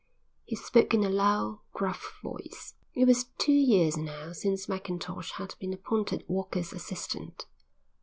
He spoke in a loud, gruff voice. It was two years now since Mackintosh had been appointed Walker's assistant.